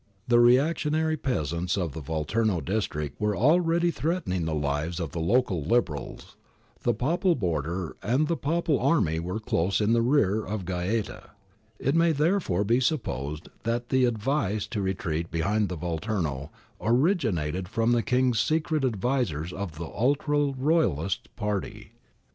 The reactionary peasants of the Volturno district were already threatening the lives of the local Liberals. The Papal border and the Papal army were close in the rear of Gaeta. It may therefore be supposed that the advice to re treat behind the Volturno originated from the King's secret advisers of the ultra Royalist party.